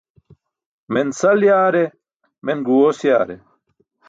Men sal yaare, men guẏoos yaare.